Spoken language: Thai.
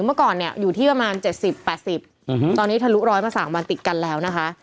เมื่อก่อนเนี่ยอยู่ที่ประมาณ๗๐๘๐ตอนนี้ทะลุร้อยมา๓วันติดกันแล้วนะคะ